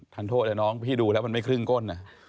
โทษเลยน้องพี่ดูแล้วมันไม่ครึ่งก้น